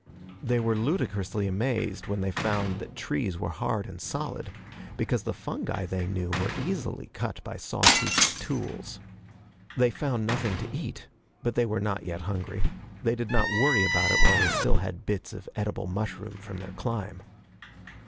They were ludicrously amazed when they found that trees were hard and solid, because the fungi they knew were easily cut by sawtoothed tools. They found nothing to eat, but they were not yet hungry. They did not worry about it while they still had bits of edible mushroom from their climb.